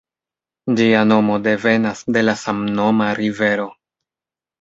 Ĝia nomo devenas de la samnoma rivero.